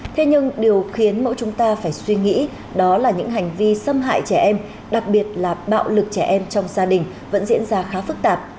thế nhưng điều khiến mỗi chúng ta phải suy nghĩ đó là những hành vi xâm hại trẻ em đặc biệt là bạo lực trẻ em trong gia đình vẫn diễn ra khá phức tạp